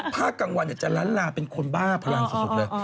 ภาคกลางวันจะล้านลาเป็นคนบ้าพลังสุดเลย